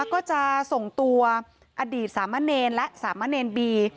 ก็จะส่งตัวอดีตศามเมินและศามเมินบี